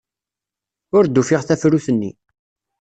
Ur d-ufiɣ tafrut-nni.